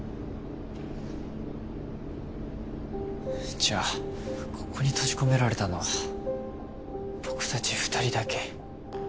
じゃあここに閉じ込められたのは僕たち２人だけ？